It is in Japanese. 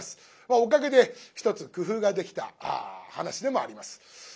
おかげでひとつ工夫ができた噺でもあります。